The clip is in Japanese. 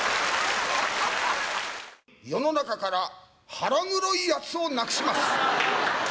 世の中から腹黒いやつをなくします。